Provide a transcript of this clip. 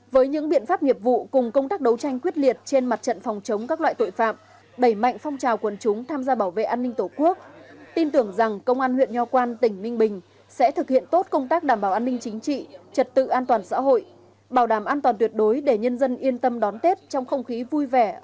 với những biện pháp nghiệp vụ cùng công tác đấu tranh quyết liệt trên mặt trận phòng chống các loại tội phạm đẩy mạnh phong trào quân chúng tham gia bảo vệ an ninh tổ quốc tin tưởng rằng công an huyện nho quan tỉnh ninh bình sẽ thực hiện tốt công tác đảm bảo an ninh chính trị trật tự an toàn xã hội bảo đảm an toàn tuyệt đối để nhân dân yên tâm đón tết trong không khí vui vẻ ấm áp